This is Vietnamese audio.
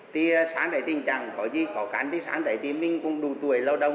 nhiều gia đình nhanh chóng thoát nghèo và có một cuộc sống tốt hơn